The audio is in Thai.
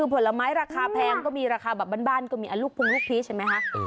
ผลไม้ราคาแพงก็มีราคาแบบบ้านก็มีลูกพุงลูกพีชใช่ไหมคะ